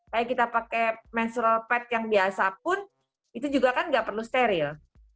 kayak kita pakai mentural pad yang biasa pun itu juga kan nggak perlu steril